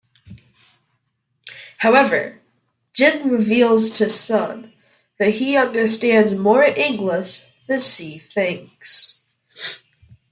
However, Jin reveals to Sun that he understands more English than she thinks.